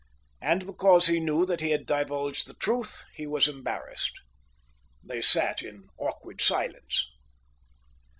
And because he knew that he had divulged the truth he was embarrassed. They sat in awkward silence.